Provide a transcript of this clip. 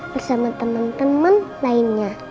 bersama temen temen lainnya